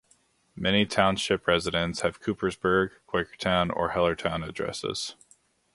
Many township residents have Coopersburg, Quakertown or Hellertown addresses.